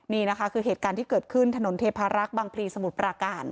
นี่นะคะคือเหตุการณ์ที่เกิดขึ้นถนนเทพารักษ์บางพลีสมุทรปราการ